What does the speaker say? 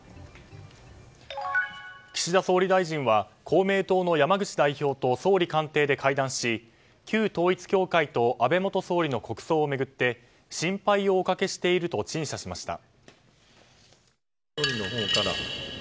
岸田総理大臣は公明党の山口代表と総理官邸で会談し、旧統一教会と安倍元総理の国葬を巡って心配をおかけしていると陳謝しました。